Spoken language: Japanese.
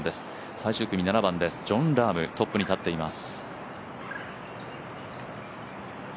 最終組７番です、ジョン・ラームがトップに立っています。